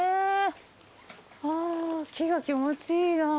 あ木が気持ちいいなぁ。